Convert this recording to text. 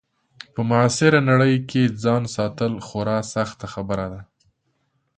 په معاصره نړۍ کې ځان ساتل خورا سخته خبره ده.